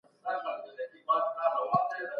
هیڅوک باید د بې سوادۍ له امله بې احترامي نه سي.